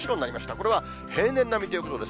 これは平年並みということです。